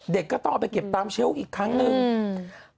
เด็กก็ต้องเอาไปเก็บตามเชลล์อีกครั้งหนึ่งอืม